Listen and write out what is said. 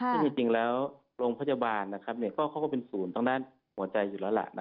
ซึ่งจริงแล้วโรงพยาบาลเขาก็เป็นศูนย์ทางด้านหัวใจอยู่แล้วล่ะ